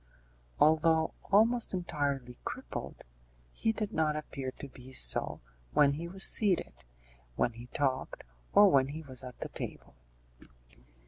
Although almost entirely crippled, he did not appear to be so when he was seated, when he talked, or when he was at table.